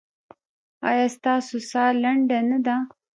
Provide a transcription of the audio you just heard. ایا ستاسو ساه لنډه نه ده؟